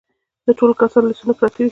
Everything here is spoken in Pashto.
د ټولو کسانو لیستونه پراته وي.